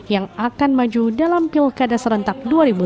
yang akan maju dalam pilkada serentak dua ribu delapan belas